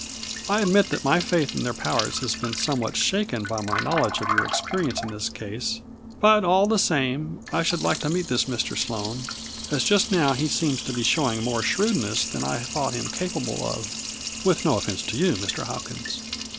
I admit that my faith in their powers has been somewhat shaken by my knowledge of your experience in this case, but all the same, I should like to meet this Mr. Sloane, as just now he seems to be showing more shrewdness than I thought him capable of, with no offense to you, Mr. Hopkins."